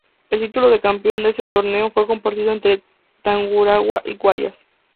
El título de campeón de este torneo fue compartido entre Tungurahua y Guayas.